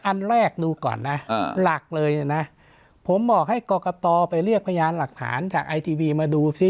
อันแรกดูก่อนนะหลักเลยนะผมบอกให้กรกตไปเรียกพยานหลักฐานจากไอทีวีมาดูซิ